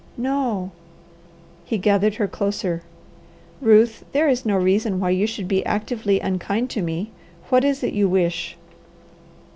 "No!" He gathered her closer. "Ruth, there is no reason why you should be actively unkind to me. What is it you wish?"